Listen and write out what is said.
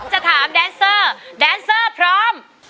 จะถามแดนเซอร์แดนเซอร์พร้อม